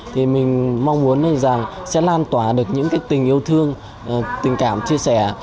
thì mình mong muốn rằng sẽ lan tỏa được những tình yêu thương tình cảm chia sẻ